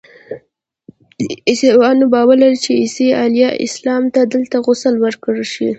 عیسویان باور لري چې عیسی علیه السلام ته دلته غسل ورکړل شوی.